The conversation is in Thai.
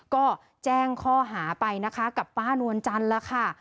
ก็แจ้งข้อหาไปนะคะกับป้านวลจันทร์แล้วค่ะ